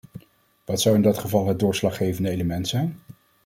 Wat zou in dat geval het doorslaggevende element zijn?